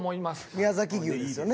宮崎牛ですよね。